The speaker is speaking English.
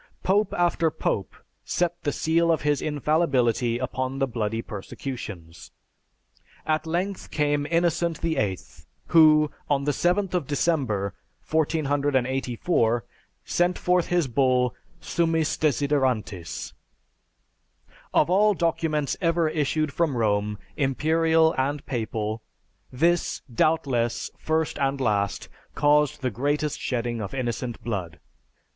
"Pope after pope set the seal of his infallibility upon the bloody persecutions. At length came Innocent VIII who, on the 7th of December, 1484, sent forth his bull Summis Desiderantis. Of all documents ever issued from Rome, imperial and papal, this, doubtless, first and last, caused the greatest shedding of innocent blood.